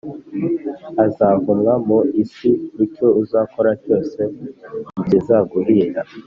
uzavumwa mu isi nicyo uzakora cyose ntikizaguhira